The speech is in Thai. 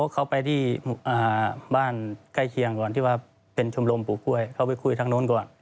เขาไปที่บ้านใกล้เคียงก่อนที่ว่าเป็นชมรมปลูกกล้วยเข้าไปคุยทางนู้นก่อน